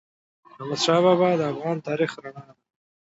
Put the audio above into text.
احمدشاه بابا د افغان تاریخ رڼا ده.